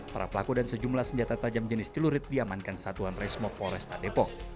para pelaku dan sejumlah senjata tajam jenis celurit diamankan satuan resmopo restadepok